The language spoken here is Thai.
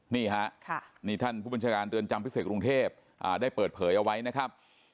นี่ฮะนี่ท่านผู้บัญชาการเรือนจำพิเศษกรุงเทพได้เปิดเผยเอาไว้นะครับ